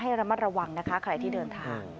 ระมัดระวังนะคะใครที่เดินทาง